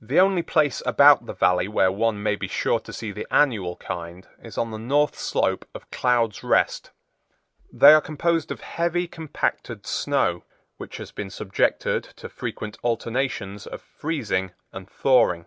The only place about the Valley where one may be sure to see the annual kind is on the north slope of Clouds' Rest. They are composed of heavy, compacted snow, which has been subjected to frequent alternations of freezing and thawing.